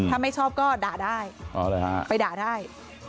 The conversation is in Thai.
ถ้าไม่ชอบก็ด่าได้ไปด่าได้